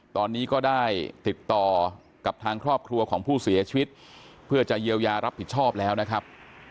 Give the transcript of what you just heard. ตอนนี้ก็ได้ติดต่อกับทางครอบครัวของผู้เสียชีวิตเพื่อจะเยียวยารับผิดชอบแล้วนะครับ